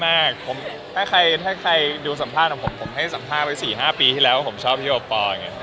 ได้ผมชอบมากถ้าใครดูสัมภาษณ์ของผมผมให้สัมภาษณ์ไว้๔๕ปีที่แล้วผมชอบพี่โอปอร์